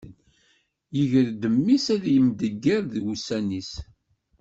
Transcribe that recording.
Yegra-d mmi-s ad yemdegger d wussan-is.